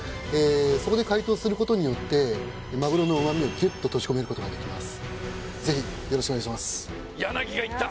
そこで解凍することによってまぐろの旨味をギュッと閉じ込めることができます